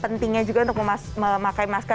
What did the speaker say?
pentingnya juga untuk memakai masker